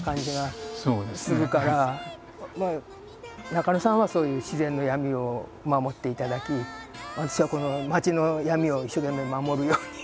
中野さんはそういう自然の闇を守っていただき私はこの街の闇を一生懸命守るように。